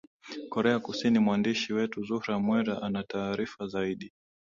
korea kusini mwandishi wetu zuhra mwera anataarifa zaidi